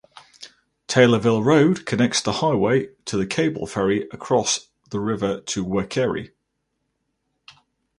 Taylorville Road connects the highway to the cable ferry across the river to Waikerie.